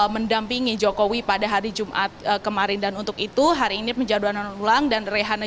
mendampingi jokowi pada hari jumat kemarin dan untuk itu hari ini penjadwalan ulang dan rehana